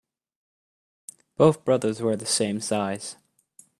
Both brothers wear the same size.